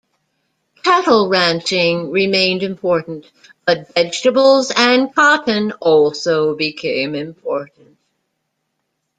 Cattle ranching remained important, but vegetables and cotton also became important.